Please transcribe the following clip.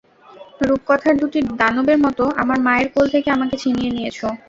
রূপকথার দুটি দানবের মতো আমার মায়ের কোল থেকে আমাকে ছিনিয়ে নিয়েছো।